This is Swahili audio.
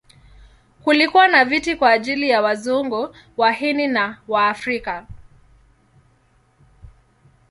Kulikuwa na viti kwa ajili ya Wazungu, Wahindi na Waafrika.